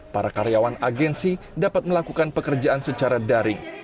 para karyawan agensi dapat melakukan pekerjaan secara daring